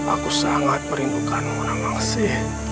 aku sangat merindukanmu nawangsi